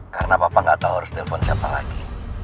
karena papa gak tau harus telfon siapa lagi